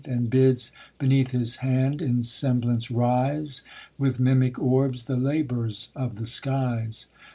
And bids, beneath his hand, in semblance rise. With mimic orbs, the labours of the skies.